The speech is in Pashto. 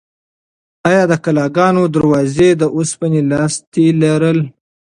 ایا د کلاګانو دروازې د اوسپنې لاستي لرل؟